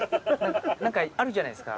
何かあるじゃないですか。